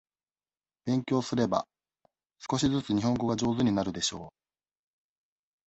勉強すれば、少しずつ日本語が上手になるでしょう。